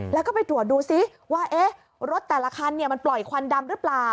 แล้วก็ไปตรวจดูซิว่ารถแต่ละคันมันปล่อยควันดำหรือเปล่า